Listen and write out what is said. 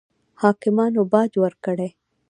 حاکمانو باج ورکړي.